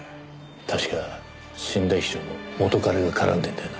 確か死んだ秘書の元彼が絡んでるんだよな。